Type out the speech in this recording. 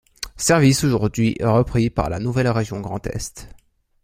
Service aujourd'hui repris par la nouvelle région Grand Est.